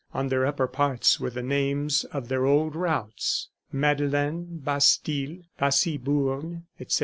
On their upper parts were the names of their old routes: "Madeleine Bastille, Passy Bourne," etc.